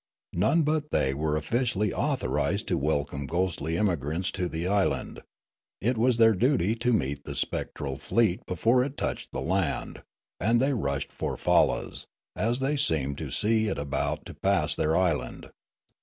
None but the}' were officially author ised to welcome ghostly immigrants into the island ; it was their duty to meet the spectral fleet before it touched the land, and they rushed for fallas, as they seemed to see it about to pass their island.